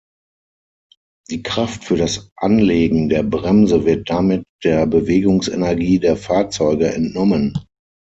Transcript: Die Kraft für das Anlegen der Bremse wird damit der Bewegungsenergie der Fahrzeuge entnommen.